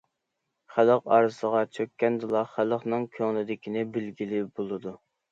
خەلق ئارىسىغا چۆككەندىلا، خەلقنىڭ كۆڭلىدىكىنى بىلگىلى بولىدۇ.